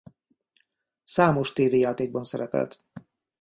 Számos tévéjátékban szerepelt.